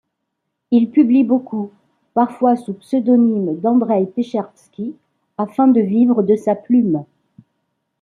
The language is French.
Il publie beaucoup, parfois sous pseudonyme d'Andreï Pecherski, afin de vivre de sa plume.